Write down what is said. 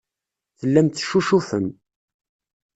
Tellam teccucufem.